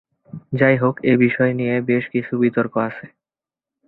যাইহোক, এই বিষয়টা নিয়ে বেশ কিছু বিতর্ক আছে।